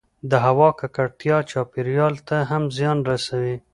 د هـوا کـکړتـيا چاپـېريال ته هم زيان رسـوي